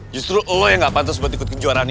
justru lo yang gak pantas buat ikut kejuaraan ini